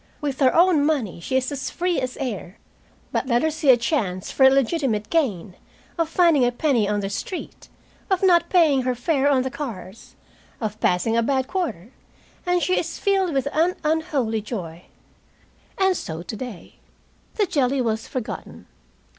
With her own money she is as free as air. But let her see a chance for illegitimate gain, of finding a penny on the street, of not paying her fare on the cars, of passing a bad quarter, and she is filled with an unholy joy. And so today. The jelly was forgotten.